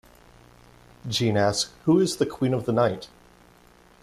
Gene asks Who is the queen of the night?